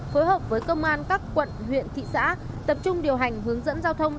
phối hợp với công an các quận huyện thị xã tập trung điều hành hướng dẫn giao thông